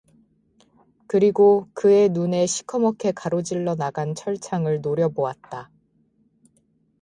그리고 그의 눈에 시커멓게 가로질러 나간 철창을 노려보았다.